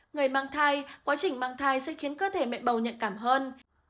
người mang thai quá trình mang thai sẽ khiến cơ thể mẹ bầu nhạy cảm hơn